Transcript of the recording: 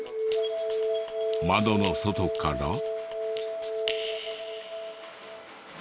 窓の外から。